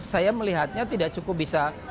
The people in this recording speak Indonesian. saya melihatnya tidak cukup bisa